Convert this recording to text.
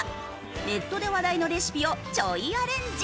ネットで話題のレシピをちょいアレンジ。